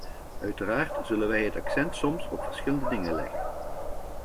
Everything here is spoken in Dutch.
Uiteraard zullen wij het accent soms op verschillende dingen leggen.